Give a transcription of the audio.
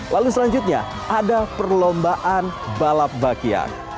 lalu selanjutnya ada perlombaan balap bakian